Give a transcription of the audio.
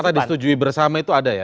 kata kata disetujui bersama itu ada ya